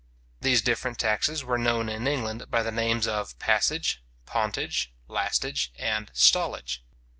These different taxes were known in England by the names of passage, pontage, lastage, and stallage.